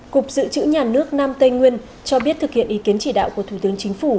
cục dự trữ nhà nước nam tây nguyên cho biết thực hiện ý kiến chỉ đạo của thủ tướng chính phủ